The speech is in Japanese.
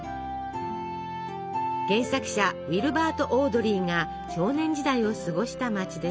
原作者ウィルバート・オードリーが少年時代を過ごした町です。